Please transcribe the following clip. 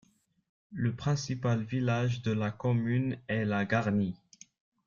Le principal village de la commune est la Garnie.